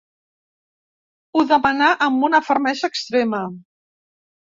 Ho demanà amb una fermesa extrema.